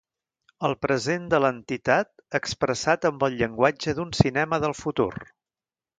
El present de l’entitat expressat amb el llenguatge d’un cinema del futur.